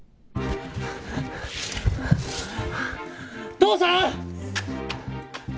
父さん！